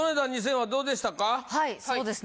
はいそうですね